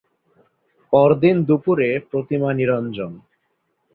পরদিন দুপুরে প্রতিমা নিরঞ্জন।